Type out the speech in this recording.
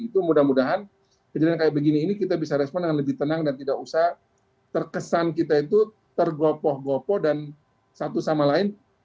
itu mudah mudahan kejadian kayak begini ini kita bisa respon dengan lebih tenang dan tidak usah terkesan kita itu tergopoh gopoh dan satu sama lain